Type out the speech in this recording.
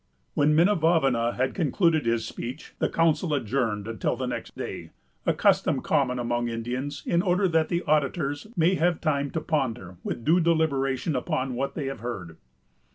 When Minavavana had concluded his speech, the council adjourned until the next day; a custom common among Indians, in order that the auditors may have time to ponder with due deliberation upon what they have heard.